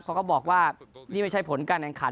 เขาก็บอกว่านี่ไม่ใช่ผลการแข่งขัน